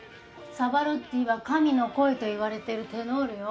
サバロッティは神の声といわれてるテノールよ。